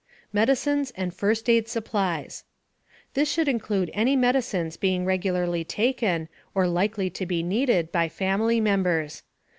MEDICINES AND FIRST AID SUPPLIES. This should include any medicines being regularly taken, or likely to be needed, by family members.